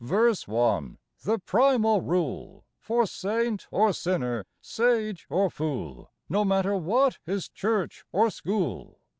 verse 1 the primal rule For saint or sinner, sage or fool, No matter what his church or school.